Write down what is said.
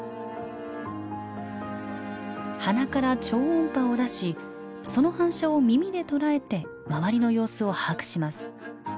鼻から超音波を出しその反射を耳で捉えて周りの様子を把握します。